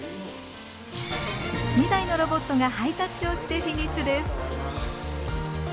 ２台のロボットがハイタッチをしてフィニッシュです。